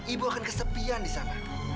ibu akan kesepian